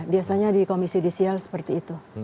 biasanya di komisi judisial seperti itu